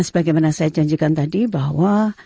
sebagaimana saya janjikan tadi bahwa